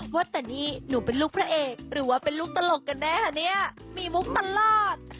ว่าแต่นี่หนูเป็นลูกพระเอกหรือว่าเป็นลูกตลกกันแน่คะเนี่ยมีมุกตลอด